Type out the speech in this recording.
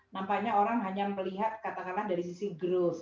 nampaknya orang hanya melihat katakanlah dari sisi growth